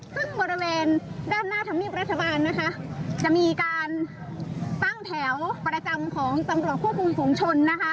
ซึ่งบริเวณด้านหน้าธรรมบิลระธบาลจะมีการตั้งแถวประจำของตำรวจควบคุมสูงชน